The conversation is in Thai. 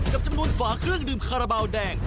กับจำนวนฝาเครื่องดื่มคาราบาลแดง